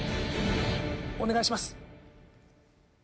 お願いします。